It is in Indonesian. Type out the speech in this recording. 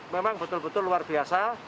memang betul betul luar biasa